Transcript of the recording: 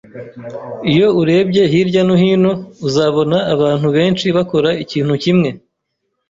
Iyo urebye hirya no hino, uzabona abantu benshi bakora ikintu kimwe.